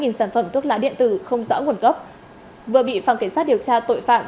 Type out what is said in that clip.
hơn một trăm linh tám sản phẩm thuốc lá điện tử không rõ nguồn gốc vừa bị phòng cảnh sát điều tra tội phạm